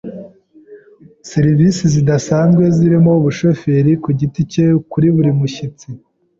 Serivisi zidasanzwe zirimo umushoferi kugiti cye kuri buri mushyitsi.